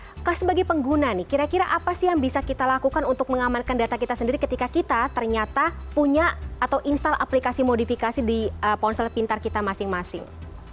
apakah sebagai pengguna nih kira kira apa sih yang bisa kita lakukan untuk mengamankan data kita sendiri ketika kita ternyata punya atau install aplikasi modifikasi di ponsel pintar kita masing masing